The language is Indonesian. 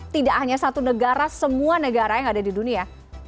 tidak hanya satu negara semua negara yang ada di dunia